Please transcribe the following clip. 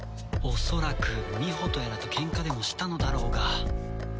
恐らくみほとやらとケンカでもしたのだろうが。